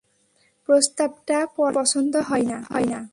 প্রস্তাবটা পরাণের পছন্দ হয় না।